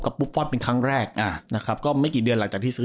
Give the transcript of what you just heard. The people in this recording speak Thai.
บุฟฟอลเป็นครั้งแรกอ่านะครับก็ไม่กี่เดือนหลังจากที่ซื้อ